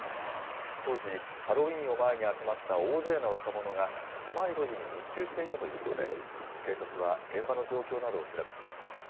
当時、ハロウィーンを前に集まった大勢の若者が、狭い路地に密集していたということで、警察は現場の状況などを調べています。